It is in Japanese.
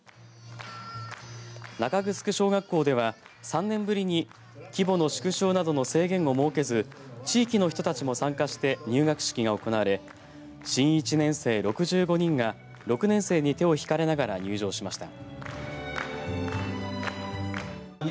中城小学校では３年ぶりに規模の縮小などの制限を設けず地域の人たちも参加して入学式が行われ新１年生６５人が６年生に手をひかれながら入場しました。